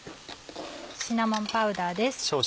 シナモンパウダーです。